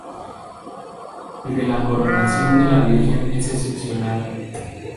El de la Coronación de la Virgen es excepcional.